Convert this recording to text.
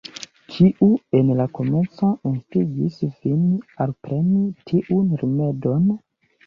Kiu, en la komenco, instigis vin alpreni tiun rimedon?